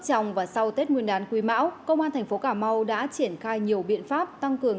trong và sau tết nguyên đán quy mão công an tp cà mau đã triển khai nhiều biện pháp tăng cường